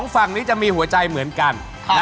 ฝั่งนี้จะมีหัวใจเหมือนกัน